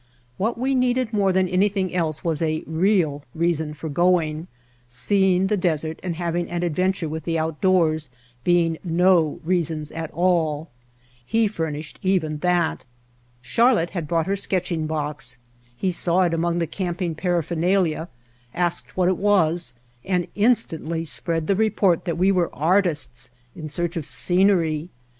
What The Outfit we needed more than anything else was a real reason for going, seeing the desert and having an adventure with the outdoors being no reasons at all. He furnished even that. Charlotte had brought her sketching box; he saw it among the camping paraphernalia, asked what it was, and instantly spread the report that we were artists in search of scenery.